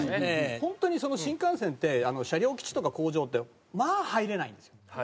ホントにその新幹線って車両基地とか工場ってまあ入れないんですよ。